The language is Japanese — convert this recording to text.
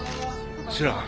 知らん。